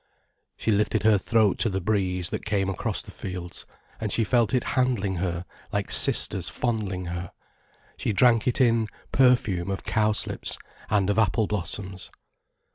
She lifted her throat to the breeze that came across the fields, and she felt it handling her like sisters fondling her, she drank it in perfume of cowslips and of apple blossoms.